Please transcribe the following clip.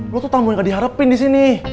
lo tuh tamu yang gak diharapin disini